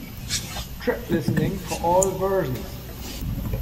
Track listing for all versions.